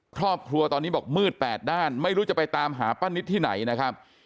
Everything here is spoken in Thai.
ครอบครัวตอนนี้บอกมืดแปดด้านไม่รู้จะไปตามหาป้านิตที่ไหนนะครับ